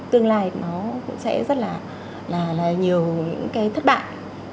tương lai nó cũng sẽ rất là nhiều những cái thất bại